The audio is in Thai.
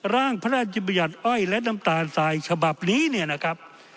ร่างพระราชบัญญัติอ้อยและน้ำตาลทรายฉบับนี้เนี่ยนะครับ